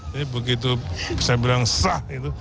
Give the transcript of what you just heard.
jadi begitu saya bilang sah itu